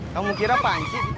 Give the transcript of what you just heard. kamu kira pancit